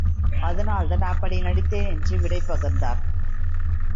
அதனால் தான் அப்படி நடித்தேன் என்று விடை பகர்ந்தார்.